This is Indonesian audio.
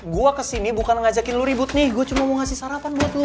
gue kesini bukan ngajakin lu ribut nih gue cuma mau ngasih sarapan buat lo